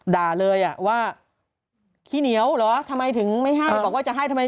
ด่าเลยอ่ะว่าขี้เหนียวเหรอทำไมถึงไม่ให้บอกว่าจะให้ทำไม